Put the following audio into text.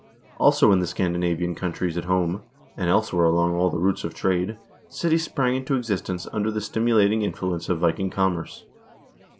Also in the Scandinavian countries at home, and elsewhere along all the routes of trade, cities sprang into existence under the stimu lating influence of Viking commerce.